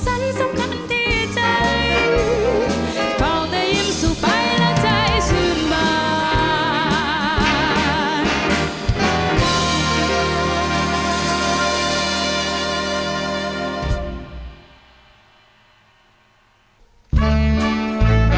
เป็นเตรียวยิ่งดังยอมชีวิต